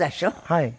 はい。